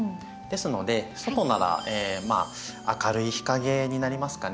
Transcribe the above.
ですので外ならまあ明るい日陰になりますかね